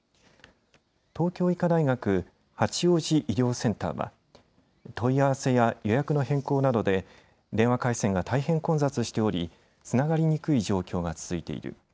東京医科大学八王子医療センターは、問い合わせや予約の変更などで電話回線が大変混雑しておりつながりにくい状況が続いている。